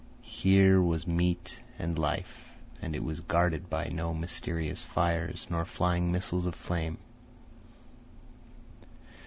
Here was meat and life, and it was guarded by no mysterious fires nor flying missiles of flame.